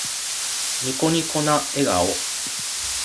ニコニコな笑顔。